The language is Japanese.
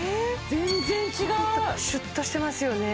全然違うシュッとしてますよね